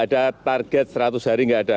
tidak ada tidak ada target seratus hari tidak ada